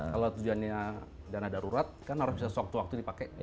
kalau tujuannya dana darurat kan harus bisa sewaktu waktu dipakai